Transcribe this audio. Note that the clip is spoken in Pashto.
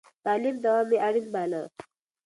د تعليم دوام يې اړين باله.